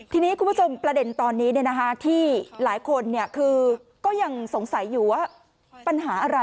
ทีนี้คุณผู้ชมประเด็นตอนนี้ที่หลายคนก็ยังสงสัยอยู่ว่า